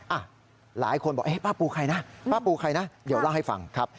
อ่ะหลายคนบอกป้าปูใครนะป้าปูใครนะเดี๋ยวเล่าให้ฟังครับ